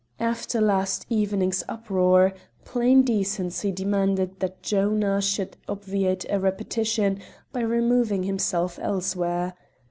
After last evening's uproar, plain decency demanded that Jonah should obviate a repetition by removing himself elsewhere.